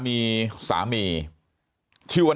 มีความรู้สึกว่า